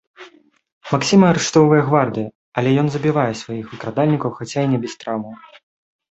Максіма арыштоўвае гвардыя, але ён забівае сваіх выкрадальнікаў, хаця і не без траўмаў.